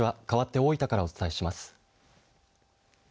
かわって大分からお伝えします。